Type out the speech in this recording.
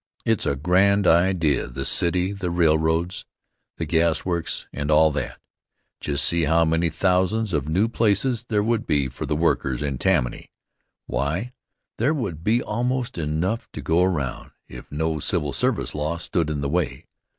It's a grand idea the city the railroads, the gas works and all that. Just see how many thousands of new places there would be for the workers in Tammany. Why, there would be almost enough to go around, if no civil service law stood in the way.